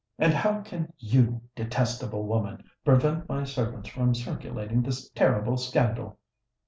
"And how can you, detestable woman, prevent my servants from circulating this terrible scandal?"